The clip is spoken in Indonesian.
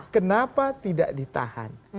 kenapa tidak ditahan